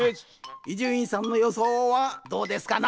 伊集院さんのよそうはどうですかな？